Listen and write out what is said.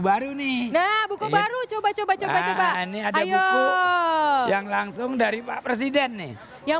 baru nih nah buku baru coba coba coba nih ada yuk yang langsung dari pak presiden nih yang